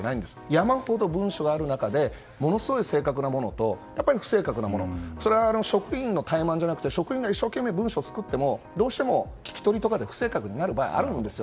山ほど文書がある中でものすごい正確なものとやっぱり不正確なもの、それは職員の怠慢じゃなくて職員が一生懸命作ってもどうしても聞き取りとかで不正確になる場合があるんですよ。